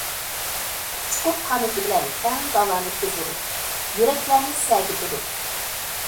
ئۇچقۇر قانىتى بىلەن كەڭ دالانى كېزىدۇ، يۈرەكلەرنى سەگىتىدۇ.